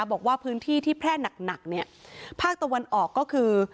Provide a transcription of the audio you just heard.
บอกว่าพื้นที่ที่แพร่หนักหนักเนี่ยภาคตะวันออกก็คือ